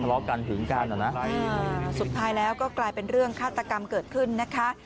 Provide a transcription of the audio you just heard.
นี่ละค่ะก็จะรู้ข้อมูลมาบ้างตาการถอดกันถึงกลายแล้วก็กลายเป็นเรื่องฆาตกรรมเกิดขึ้นนะคะ